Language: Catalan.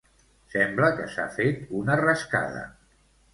Sembla que s'ha fet una rascada.